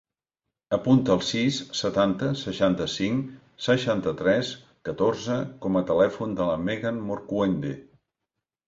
Apunta el sis, setanta, seixanta-cinc, seixanta-tres, catorze com a telèfon de la Megan Morcuende.